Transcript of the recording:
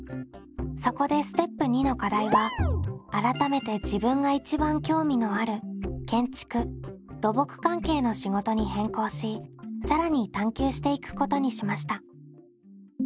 そこでステップ②の課題は改めて自分が一番興味のある建築・土木関係の仕事に変更し更に探究していくことにしました。